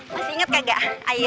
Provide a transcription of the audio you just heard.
masih inget gak aji